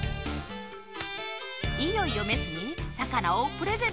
いよいよメスにさかなをプレゼントしますです。